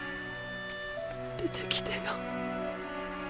出てきてよ。